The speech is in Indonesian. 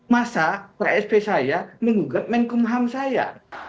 masa ksp saya mengugat menkum ham saya